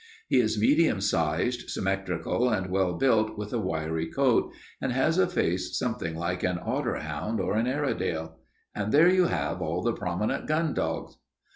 He is medium sized, symmetrical, and well built, with a wiry coat, and has a face something like an otter hound or an Airedale. And there you have all the prominent gun dogs."